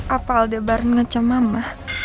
apa aldebaran ngecam mama